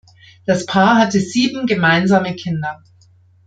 Das Paar hatte sieben gemeinsame Kinder.